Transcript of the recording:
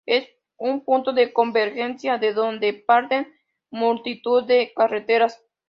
Es un punto de convergencia de donde parten multitud de carreteras.